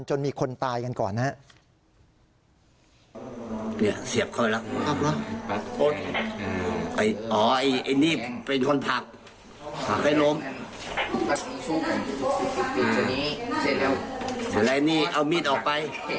จนมีคนตายกันก่อนนะครับ